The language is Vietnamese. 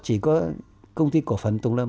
chỉ có công ty cổ phần tùng lâm